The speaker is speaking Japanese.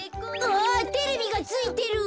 あテレビがついてる。